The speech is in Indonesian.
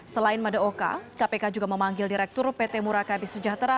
selain madaoka kpk juga memanggil direktur pt murakabi sejahtera